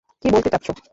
কি বলতে চাচ্ছো।